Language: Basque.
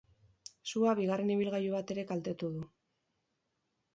Sua bigarren ibilgailu bat ere kaltetu du.